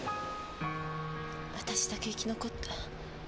私だけ生き残った。